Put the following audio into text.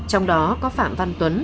trong đó có phạm văn tuấn